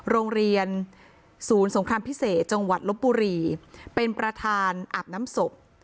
โรงเรียนศูนย์สงครามพิเศษจังหวัดลบบุรีเป็นประธานอาบน้ำศพ